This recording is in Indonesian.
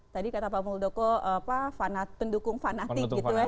tadi kata pak muldoko pendukung fanatik gitu ya